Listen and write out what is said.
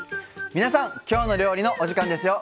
皆さん「きょうの料理」のお時間ですよ。